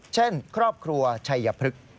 เช่นครอบครัวชัยพฤกษ์